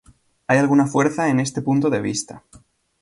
Hay alguna fuerza en este punto de vista.